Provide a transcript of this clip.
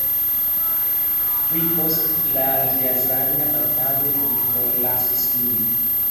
Tuj post la Rjazanja batalo li forlasis nin.